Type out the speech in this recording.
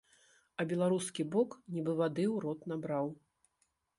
А беларускі бок нібы вады ў рот набраў!